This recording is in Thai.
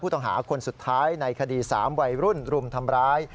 ต้องหาคนสุดท้ายในคดี๓วัยรุ่นรุมทำร้าย